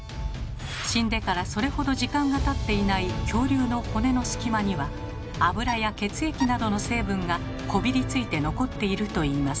死んでからそれほど時間がたっていない恐竜の骨の隙間には脂や血液などの成分がこびりついて残っているといいます。